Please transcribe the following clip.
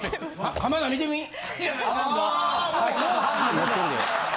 ・持ってるで。